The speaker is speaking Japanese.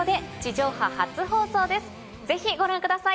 ぜひご覧ください。